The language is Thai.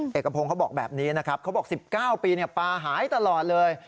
เด็กกระโพงเขาบอกแบบนี้นะครับเขาบอกสิบเก้าปีเนี่ยปลาหายตลอดเลย